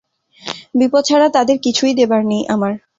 বিপদ ছাড়া তাদের কিছুই দেবার নেই আমার।